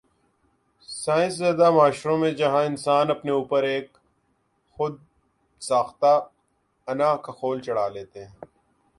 science زدہ معاشروں میں جہاں انسان اپنے اوپر ایک خود ساختہ انا کا خول چڑھا لیتے ہیں